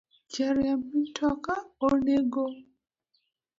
Jariemb mtoka onego